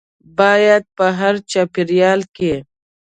باید په هر چاپیریال کې